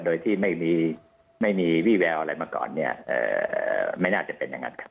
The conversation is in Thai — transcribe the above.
โดยที่ไม่มีวี่แววอะไรมาก่อนเนี่ยไม่น่าจะเป็นอย่างนั้นครับ